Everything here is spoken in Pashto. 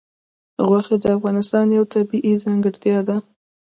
غوښې د افغانستان یوه طبیعي ځانګړتیا ده.